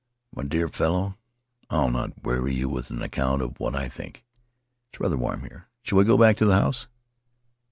" My dear fellow, I'll not weary you with an account of what I think. It's rather warm here. Shall we go back to the house?"